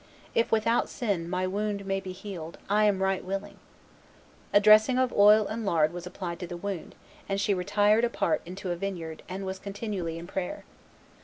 If, without sin, my wound may be healed, I am right willing." A dressing of oil and lard was applied to the wound; and she retired apart into a vineyard, and was continually in prayer.